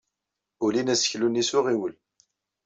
Ulin aseklu-nni s uɣiwel.